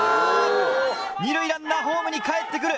２塁ランナーホームにかえってくる！